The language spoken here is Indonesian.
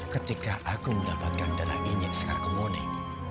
ketika aku mendapatkan darah ini sekarang kemuliaan